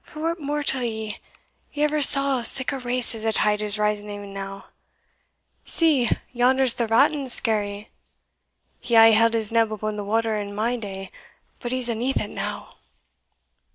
for what mortal ee ever saw sic a race as the tide is risening e'en now? See, yonder's the Ratton's Skerry he aye held his neb abune the water in my day but he's aneath it now."